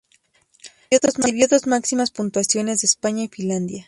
Recibió dos máximas puntuaciones de España y Finlandia.